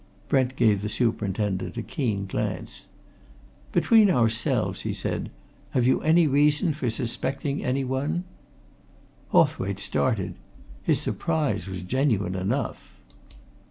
Brent gave the superintendent a keen glance. "Between ourselves," he said, "have you any reason for suspecting anyone?" Hawthwaite started. His surprise was genuine enough.